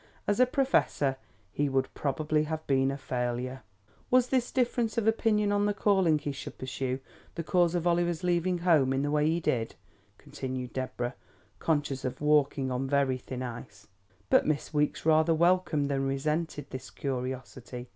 As a professor he would probably have been a failure." "Was this difference of opinion on the calling he should pursue, the cause of Oliver's leaving home in the way he did?" continued Deborah, conscious of walking on very thin ice. But Miss Weeks rather welcomed than resented this curiosity.